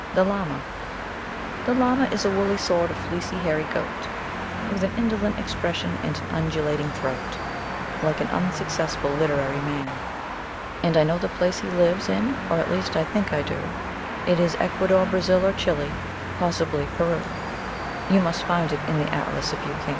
The Llama The Llama is a woolly sort of fleecy hairy goat, With an indolent expression and an undulating throat Like an unsuccessful literary man. And I know the place he lives in (or at least I think I do) It is Ecuador, Brazil or Chili possibly Peru; You must find it in the Atlas if you can.